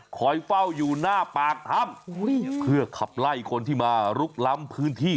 เฝ้าอยู่หน้าปากถ้ำเพื่อขับไล่คนที่มาลุกล้ำพื้นที่